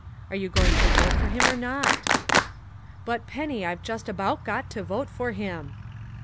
Are you going to vote for him or not?" "But, Penny, I've just about got to vote for him."